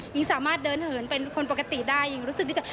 หญิงสามารถเดินเหินเป็นคนปกติได้หญิงรู้สึกที่จะ